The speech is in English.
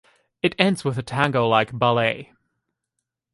It ends with a tango-like ballet.